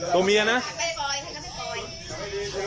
สวัสดีครับคุณแฟม